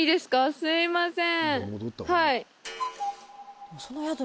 すいません